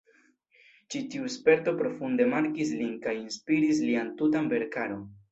Ĉi tiu sperto profunde markis lin kaj inspiris lian tutan verkaron.